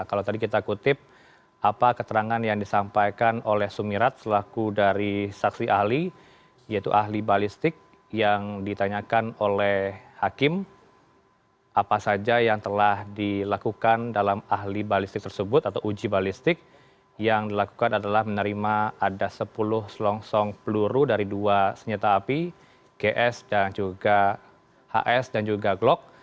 kalau tadi kita kutip apa keterangan yang disampaikan oleh sumirat selaku dari saksi ahli yaitu ahli balistik yang ditanyakan oleh hakim apa saja yang telah dilakukan dalam ahli balistik tersebut atau uji balistik yang dilakukan adalah menerima ada sepuluh selongsong peluru dari dua senjata api gs dan juga hs dan juga glock